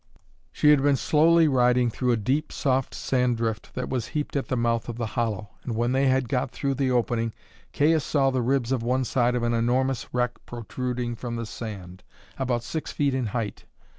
She had been slowly riding through a deep, soft sand drift that was heaped at the mouth of the hollow, and when they had got through the opening, Caius saw the ribs of one side of an enormous wreck protruding from the sand, about six feet in height.